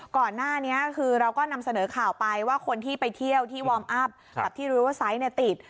ก่อนหน้านี้คือเราก็นำเสนอข่าวไปว่าคนที่ไปเที่ยวที่วอร์มอัพกับที่รู้ว่าไซส์ติด